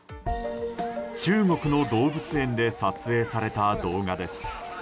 中国の動物園で撮影された動画です。